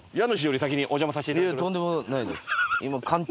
とんでもないです。